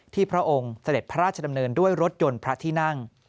พระองค์เสด็จพระราชดำเนินด้วยรถยนต์พระที่นั่ง